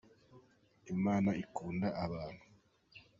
Imana ikunda abantu.